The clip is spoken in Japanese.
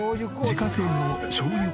「自家製のしょうゆ麹？